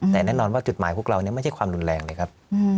แต่แน่นอนว่าจุดหมายพวกเราไม่ใช่ความรุนแรงเลยครับ